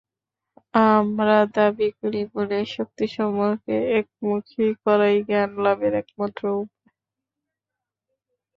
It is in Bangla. আমরা দাবী করি, মনের শক্তিসমূহকে একমুখী করাই জ্ঞানলাভের একমাত্র উপায়।